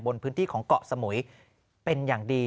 พื้นที่ของเกาะสมุยเป็นอย่างดี